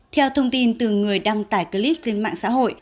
theo thông tin từ người đăng tải clip trên mạng xã hội